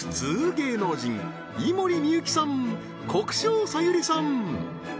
芸能人井森美幸さん国生さゆりさん